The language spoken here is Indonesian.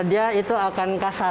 dia itu akan kasar